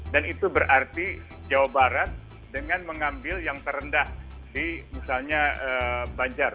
dan itu berarti jawa barat dengan mengambil yang terendah di misalnya banjar